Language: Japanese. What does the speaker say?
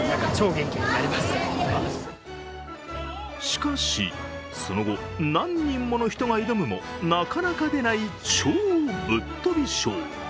しかし、その後、何人もの人が挑むもなかなか出ない超ぶっとび賞。